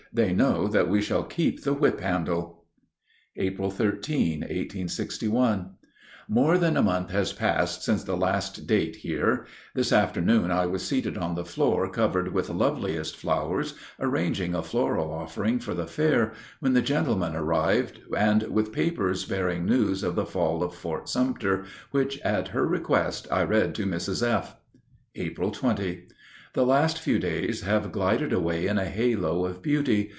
They know that we shall keep the whip handle." April 13, 1861. More than a month has passed since the last date here. This afternoon I was seated on the floor covered with loveliest flowers, arranging a floral offering for the fair, when the gentlemen arrived and with papers bearing news of the fall of Fort Sumter, which, at her request, I read to Mrs. F. April 20. The last few days have glided away in a halo of beauty.